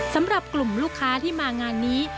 สำหรับกลุ่มลูกค้าที่มางานนี้